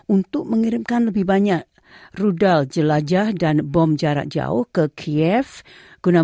untuk mengirimkan lebih banyak uang untuk pemerintah pemerintah